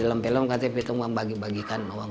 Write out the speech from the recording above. sampai lalu katanya pitung membagikan uang